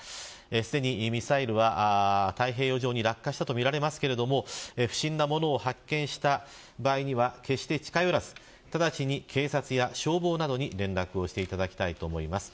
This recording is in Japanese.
すでにミサイルは太平洋上に落下したとみられますが不審な物を発見した場合には決して近寄らず直ちに警察や消防などに連絡をしていただきたいと思います。